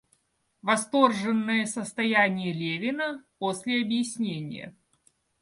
Восторженное состояние Левина после объяснения.